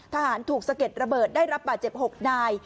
ทหารถูกสะเก็ดระเบิดได้รับบาดเจ็บ๖นาย